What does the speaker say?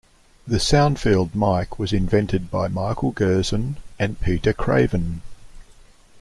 The soundfield mic was invented by Michael Gerzon and Peter Craven.